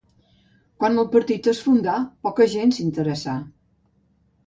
Quan el partit es fundà, poca gent s'hi interessà.